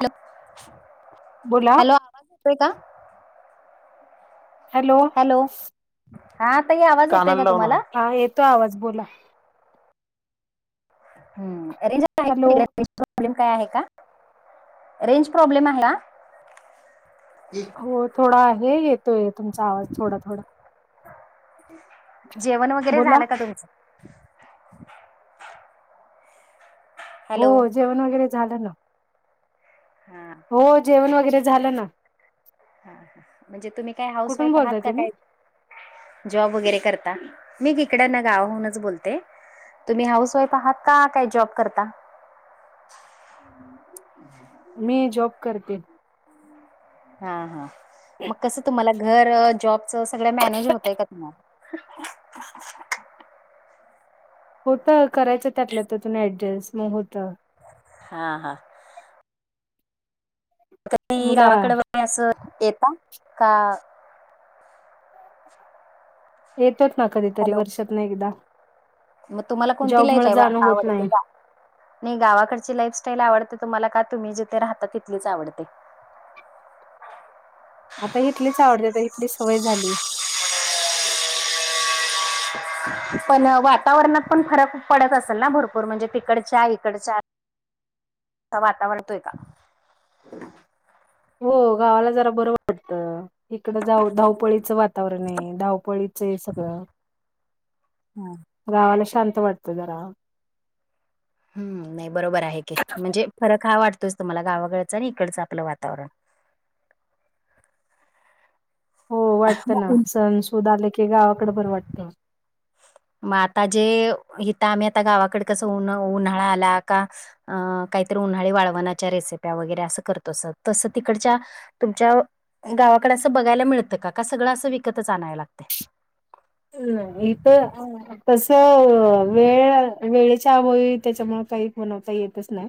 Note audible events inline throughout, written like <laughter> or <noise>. Hello बोला hello आवाज येतोय का? हॅलो हा ताई आवाज येतोय कानाला का लाव तुम्हाला ना हा येतो आवाज बोला. हम्म रेंज हाय का हॅलो तिकडे. रेंज प्रॉब्लेम आहे का? हो थोडा आहे येतोय तुमचा आवाज थोडा थोडा. जेवण वगैरे बोला झालं का तुमचं? हो हॅलो जेवण वगैरे झालं ना. हम्म. हो जेवण वगैरे झालं ना. हा ह म्हणजे तुम्ही काय हाऊस कुठून वाईफ आहात बोलताय का तुम्ही काय? जॉब वगैरे करता मी तिकडना गावावरून च बोलते. तुम्ही हाऊस वाईफ आहात का काय जॉब करता? <inaudible> मी जॉब करते. हा हा मग कसं तुम्हाला घर जॉबच सगळं मॅनेज होतय का तुम्हाला? <inaudible> होतं करायचं त्यातल्या त्यात त्यातून ऍडजस्ट मग होतं. हा हा. कधी मुला गावाकडं असं येता का? येतोत ना कधीतरी वर्षात ना एकदा. म तुम्हाला कोणती जॉब मुळे लाईफस्टाईल जाणं होत आवडते नाही का? नाही गावाकडची लाईफस्टाईल आवडते तुम्हाला का तुम्ही जिथे राहता तिथलीच आवडते? आता इथलीच आवडते तर इथलीच सवय झाली. पण वातावरणात पण फरक पडत असेल ना भरपूर म्हणजे तिकडच्या इकडच्या. वातावरतोय का? हो गावाला जरा बरं वाटत. इकडं जाव धावपळीचं वातावरण आहे धावपळीचं हाय सगळं. हम. गावाला शांत वाटतं जरा. हम्म नाही बरोबर आहे की म्हणजे फरक हा वाटतोच तुम्हाला गावाकडचा आणि इकडचां आपलं वातावरण. हो वाटतं ना सणसूद आले की गावाकडे बर वाटतं. म आता जे इथं आम्ही आता गावाकडे कसं उन उन्हाळा आला का? अं काहीतरी उन्हाळी वाळवणाच्या रेसिप्या वगैरे असं करतो असं तसं तिकडच्या. तुमच्या गावाकडे असं बघायला मिळतं का का सगळं असं विकतच आणायला लागतय. हम् इथं तसं वेळ वेळेच्या अभावी त्याच्यामुळे काही बनवता येतच नाही.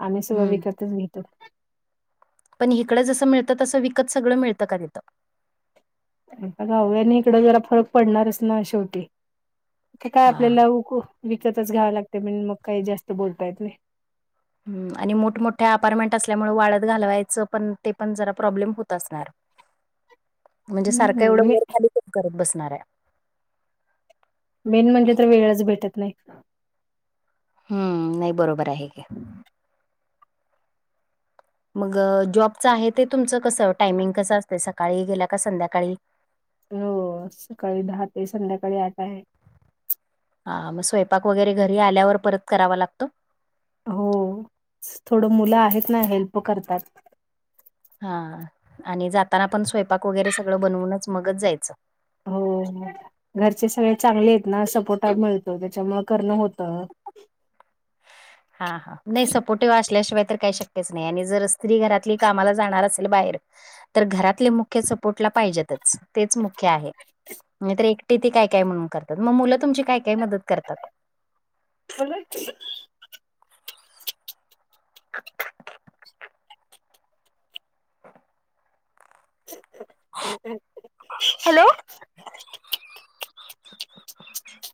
आम्ही सगळं हम्म विकतच घेतो. पण हिकडं जसं मिळतं तसं विकत सगळं मिळतं का तिथं? आता गाव आणि इकडं जरा फरक पडणारच ना शेवटी. ते काय हां. आपल्याला ऊको विकतच घ्याव लागते म्हण मग काही जास्त बोलता येत नाही. हम्म आणि मोठमोठ्या अपार्टमेंट असल्यामुळे वाळत घालवायचं पण ते पण जरा प्रॉब्लेम होत असणार. म्हणजे सारखं हम्म एवढं मे वर खाली पण कधी करत बसणार आहे. मेन म्हणजे तर वेळच भेटत नाही. हम्म नाही बरोबर आहे. घ्या मग जॉबचं आहे ते तुमचं कसं टायमिंग कसं असतें सकाळी गेल्या का संध्याकाळी. हो सकाळी दहा ते संध्याकाळी आठ आहे. हा मग स्वयंपाक वगैरे घरी आल्यावर परत करावा लागतो हो थोड मुलं आहेत ना हेल्प करतात हा आणि जाताना पण स्वयंपाक वगैरे सगळं बनवूनच मगच जायचं हो घरचे सगळे चांगले आहेत ना सपोर्ट मिळतो त्याच्यामुंळ करणं होतं हा हा नाही सपोर्टिव्ह असल्याशिवाय तर काही शक्यच नाही आणि जर स्त्री घरातली कामाला जाणार असेल बाहेर तर घरातले मुख्य सपोर्टला पाहिजेतच तेच मुख्य आहे नाही तर एकटी ती काय काय म्हणून करणारं, मग मुलं तुमची काय काय मदत करतात मुलंच <inaudible> हॅलो <inaudible>